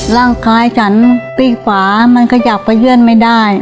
ร่างกายฉันปีกขวามันขยับไปเยื่อนไม่ได้